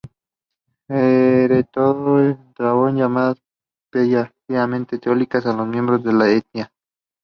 She has previously played for the Sydney Sixers and the New South Wales Breakers.